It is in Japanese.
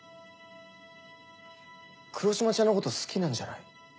黒島ちゃんのこと好きなんじゃない？